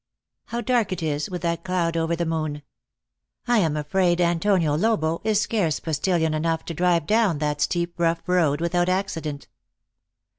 " How dark it is, with that cloud over the moon. I am afraid Antonio Lobo is scarce postillion enough to drive down that steep rough road without accident."